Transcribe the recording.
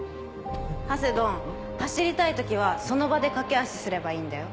ハセドン走りたい時はその場で駆け足すればいいんだよ。